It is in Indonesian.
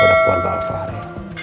udah kuat beralfa hari